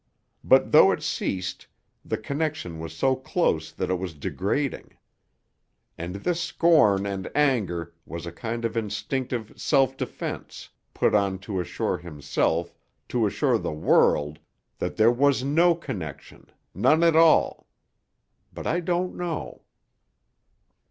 But though it ceased, the connection was so close that it was degrading. And this scorn and anger was a kind of instinctive self defence put on to assure himself, to assure the world, that there was no connection none at all.... But I don't know.